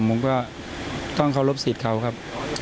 ผมก็ต้องเคารพสิทธิ์เขาครับ